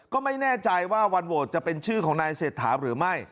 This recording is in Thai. ก็ไม่แน่ใจว่าวันโหวตจะเป็นชื่อของนายเศรษฐาหรือไม่